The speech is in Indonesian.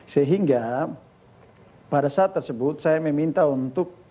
sehingga pada saat tersebut saya meminta untuk